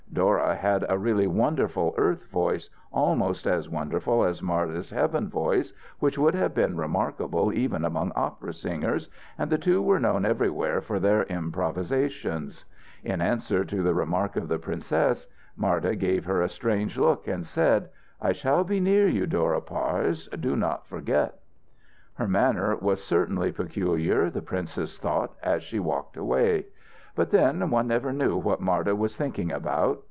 Dora had a really wonderful earth voice, almost as wonderful as Marda's heaven voice, which would have been remarkable even among opera singers, and the two were known everywhere for their improvisations. In answer to the remark of the princess, Marda gave her a strange look and said: "I shall be near you, Dora Parse. Do not forget." Her manner was certainly peculiar, the princess thought, as she walked away. But then one never knew what Marda was thinking about.